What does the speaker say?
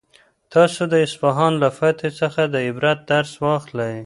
تاسو د اصفهان له فتحې څخه د عبرت درس واخلئ.